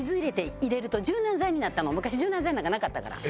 昔柔軟剤なんかなかったから。